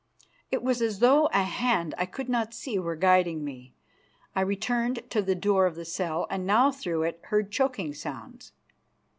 It was as though a hand I could not see were guiding me. I returned to the door of the cell, and now through it heard choking sounds.